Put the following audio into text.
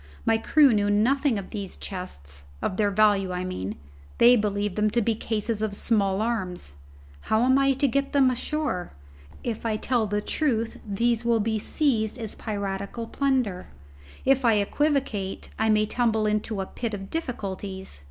My crew know nothing of these chests: of their value, I mean; they believe them cases of small arms. How am I to get them ashore? If I tell the truth, they will be seized as piratical plunder. If I equivocate, I may tumble into a pit of difficulties.